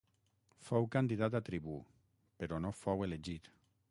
Fou candidat a tribú, però no fou elegit.